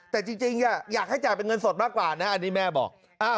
แต่จริงอยากให้จ่ายเป็นเงินสดมากกว่านะอันนี้แม่บอก